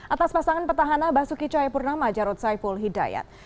atas pasangan petahana basuki cahayapurnama jarod saiful hidayat